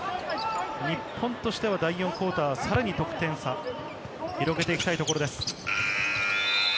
日本としては第４クオーターはさらに得点差を広げていきたいところです。